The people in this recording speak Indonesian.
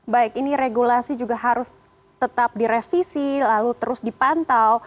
baik ini regulasi juga harus tetap direvisi lalu terus dipantau